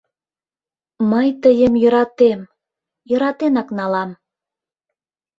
Мый тыйым йӧратем, йӧратенак налам...